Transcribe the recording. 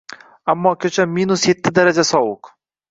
Ammo koʻcha minus yetti daraja sovuq.